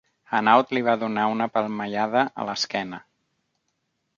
Hanaud li va donar una palmellada a l'esquena.